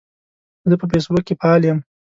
زه په فیسبوک کې فعال یم.